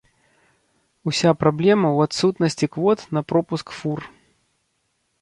Уся праблема ў адсутнасці квот на пропуск фур.